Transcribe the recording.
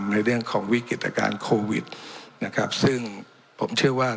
ในเรื่องของวิกฤตการณ์โควิดนะครับซึ่งผมเชื่อว่า